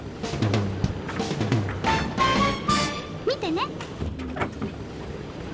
見てね！